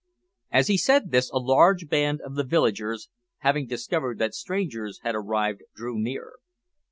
As he said this a large band of the villagers, having discovered that strangers had arrived, drew near.